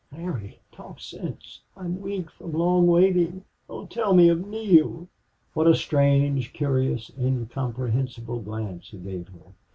"Larry, talk sense. I'm weak from long waiting. Oh, tell me of Neale!" What a strange, curious, incomprehensible glance he gave her!